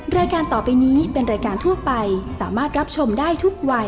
รายการต่อไปนี้เป็นรายการทั่วไปสามารถรับชมได้ทุกวัย